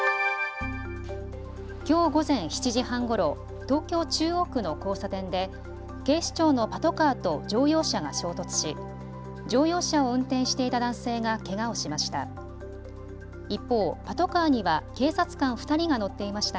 きょう午前７時半ごろ東京中央区の交差点で警視庁のパトカーと乗用車が衝突し乗用車を運転していた男性がけがをしました。